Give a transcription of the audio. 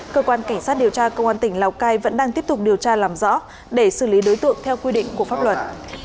cơ quan cảnh sát điều tra công an tỉnh lào cai vẫn đang tiếp tục điều tra làm rõ để xử lý đối tượng theo quy định của pháp luật